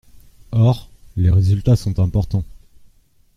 Or, les résultats sont importants.